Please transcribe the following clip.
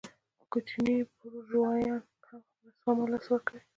کوچني بورژوایان هم خپله سپما له لاسه ورکوي